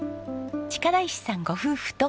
力石さんご夫婦と娘さん